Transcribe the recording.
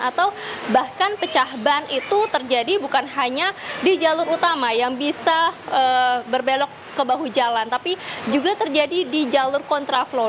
atau bahkan pecah ban itu terjadi bukan hanya di jalur utama yang bisa berbelok ke bahu jalan tapi juga terjadi di jalur kontra flow